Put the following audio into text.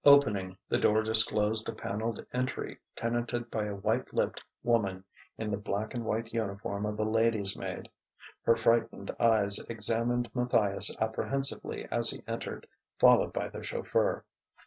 Opening, the door disclosed a panelled entry tenanted by a white lipped woman in the black and white uniform of a lady's maid. Her frightened eyes examined Matthias apprehensively as he entered, followed by the chauffeur.